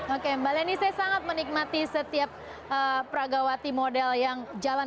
oke mbak leni saya sangat menikmati setiap pragawati model yang jalan